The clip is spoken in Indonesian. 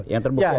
yang terbukti apa